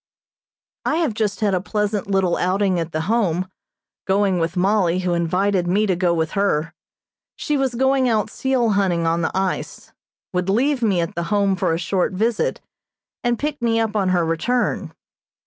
I have just had a pleasant little outing at the Home, going with Mollie, who invited me to go with her. She was going out seal hunting on the ice, would leave me at the Home for a short visit, and pick me up on her return.